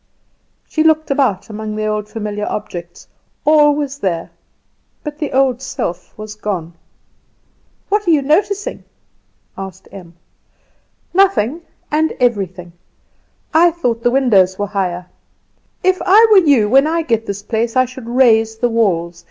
She looked about among the old familiar objects; all was there, but the old self was gone. "What are you noticing?" asked Em. "Nothing and everything. I thought the windows were higher. If I were you, when I get this place I should raise the walls.